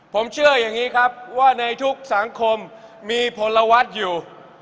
ผมเชื่ออย่างนี้ครับว่าในทุกสังคมมีพลวัฒน์อยู่